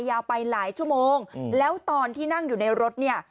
ยาวไปหลายชั่วโมงแล้วตอนที่นั่งอยู่ในรถเนี่ย